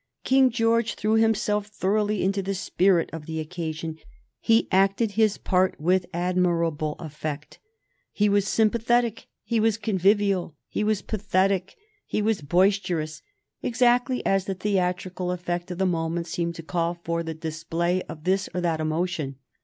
King George threw himself thoroughly into the spirit of the occasion. He acted his part with admirable effect. He was sympathetic, he was convivial, he was pathetic, he was boisterous, exactly as the theatrical effect of the moment seemed to call for the display of this or that emotion.